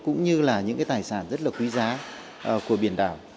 cũng như là những cái tài sản rất là quý giá của biển đảo